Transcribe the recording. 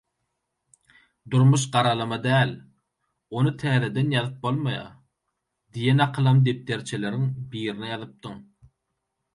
«Durmuş garalama däl, ony täzeden ýazyp bolmaýar» diýen akylam depderçeleriň birine ýazypdyň.